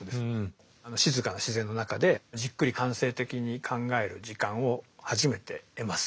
静かな自然の中でじっくり反省的に考える時間を初めて得ます。